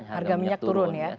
harga minyak turun ya